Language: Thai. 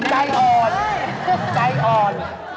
จ่ายอ่อน